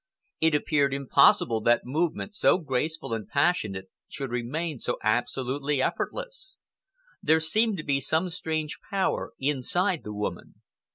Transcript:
It appeared impossible that movement so graceful and passionate should remain so absolutely effortless. There seemed to be some strange power inside the woman.